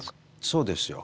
そうですよ。